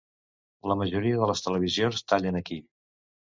La majoria de les televisions tallen aquí.